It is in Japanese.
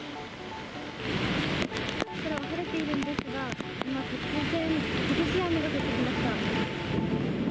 空は晴れているんですが、今、突然、激しい雨が降ってきました。